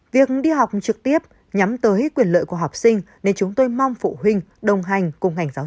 việc đi học trực tiếp nhắm tới quyền lợi của học sinh nên chúng tôi mong phụ huynh đồng hành cùng ngành giáo dục